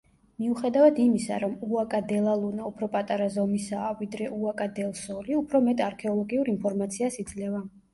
მიუხედავად იმისა, რომ უაკა-დე-ლა-ლუნა უფრო პატარა ზომისაა ვიდრე უაკა-დელ-სოლი, უფრო მეტ არქეოლოგიურ ინფორმაციას იძლევა.